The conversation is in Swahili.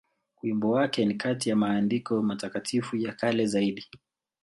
Wimbo wake ni kati ya maandiko matakatifu ya kale zaidi.